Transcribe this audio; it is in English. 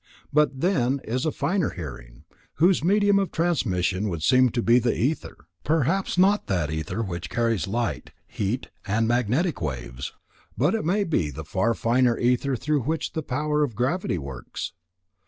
But then is a finer hearing, whose medium of transmission would seem to be the ether; perhaps no that ether which carries light, heat and magnetic waves, but, it may be, the far finer ether through which the power of gravity works.